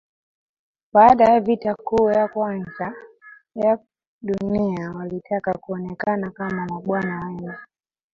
Baada ya Vita Kuu ya Kwanza ya dunia walitaka kuonekana kama mabwana wema